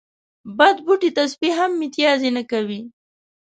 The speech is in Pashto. بد بوټي ته سپي هم متازې نه کوي.